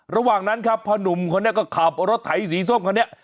ระหว่างนั้นครับพ่อนุ่มคนนี้ก็ขับรถไถสีส้มคันนี้